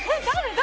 誰？